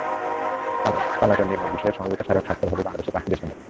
কালাজ্বর নির্মূল বিষয়ে সমঝোতা স্মারক স্বাক্ষর হবে বাংলাদেশসহ পাঁচটি দেশের মধ্যে।